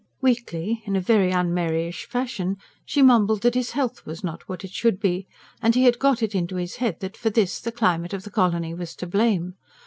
Weakly, in a very un Maryish fashion, she mumbled that his health was not what it should be, and he had got it into his head that for this the climate of the colony was to blame.